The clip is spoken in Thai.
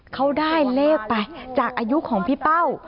เขาได้เลขไปจากอายุของพี่เป้า